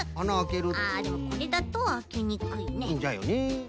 あでもこれだとあけにくいね。